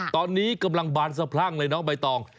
ตอนนี้กำลังบานสะพรั่งเลยน้องใบตอง